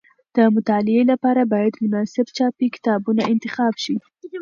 د مطالعې لپاره باید مناسب چاپي کتابونه انتخاب شي.